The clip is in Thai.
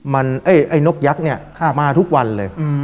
มันไอ้นกยักษ์เนี่ยมาทุกวันเลย